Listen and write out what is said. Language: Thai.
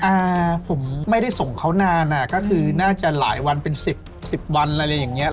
อ่าผมไม่ได้ส่งเขานานอ่ะก็คือน่าจะหลายวันเป็นสิบสิบวันอะไรอย่างเงี้ย